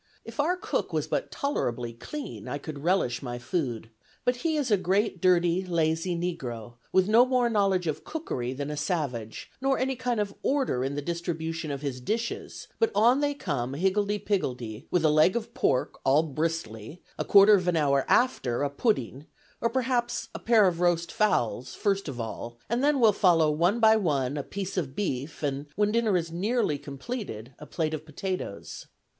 If our cook was but tolerably clean, I could relish my food. But he is a great, dirty, lazy negro, with no more knowledge of cookery than a savage, nor any kind of order in the distribution of his dishes; but on they come, higgledy piggledy, with a leg of pork all bristly; a quarter of an hour after, a pudding, or perhaps, a pair of roast fowls, first of all, and then will follow one by one a piece of beef, and when dinner is nearly completed, a plate of potatoes.